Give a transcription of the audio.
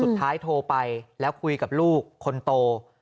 โทรไปแล้วคุยกับลูกคนโต